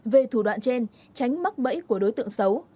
về thủ đoạn trên tránh mắc bẫy của đối tượng xấu